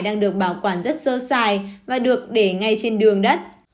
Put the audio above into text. đang được bảo quản rất sơ sài và được để ngay trên đường đất